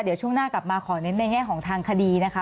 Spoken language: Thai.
เดี๋ยวช่วงหน้ากลับมาขอเน้นในแง่ของทางคดีนะคะ